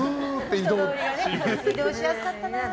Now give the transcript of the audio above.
移動しやすかったな。